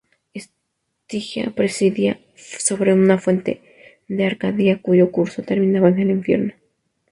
Estigia presidía sobre una fuente de Arcadia cuyo curso terminaba en el infierno.